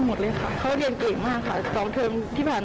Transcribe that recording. หมดเลยค่ะเขาเรียนเก่งมากค่ะ๒เทอมที่ผ่านมา